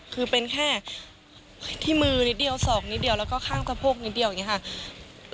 คือเป็นแค่ที่มือนิดเดียวศอกนิดเดียวแล้วก็ข้างสะโพกนิดเดียวอย่างนี้ค่ะ